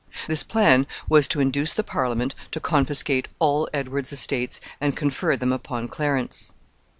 This plan was to induce the Parliament to confiscate all Edward's estates and confer them upon Clarence.